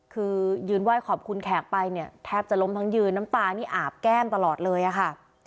คือยืนไหว้ขอบคุณแขกไปเนี่ยแทบจะล้มทั้งยืนน้ำตานี่อาบแก้มตลอดเลยอะค่ะ